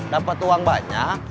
dapat uang banyak